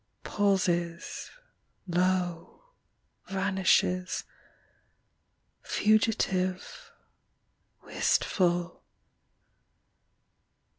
.. Pauses, lo Vanishes ... fugitive, wistful.